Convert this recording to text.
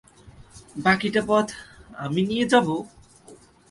বাকিটা পথ আমি নিয়ে যাবো?